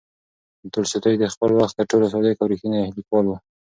تولستوی د خپل وخت تر ټولو صادق او ریښتینی لیکوال و.